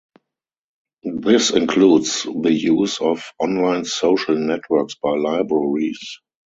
This includes the use of online social networks by libraries.